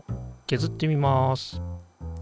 けずってみます。